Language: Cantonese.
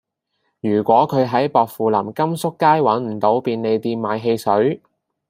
如果佢喺薄扶林金粟街搵唔到便利店買汽水